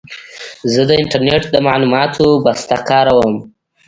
زه د انټرنېټ د معلوماتو بسته کاروم.